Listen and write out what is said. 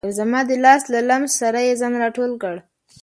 زما د لاس له لمس سره یې ځان را ټول کړ.